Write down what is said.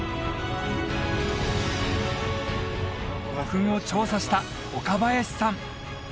古墳を調査した岡林さん